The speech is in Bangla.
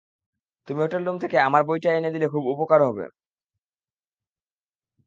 তুমি হোটেল রুম থেকে আমার বইটা নিয়ে এনে দিলে খুব উপকার হবে।